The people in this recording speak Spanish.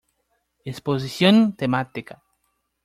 Exposición temática.